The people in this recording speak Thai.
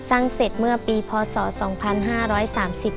สร้างเสร็จเมื่อปีพศสองพันห้าร้อยสามสิบ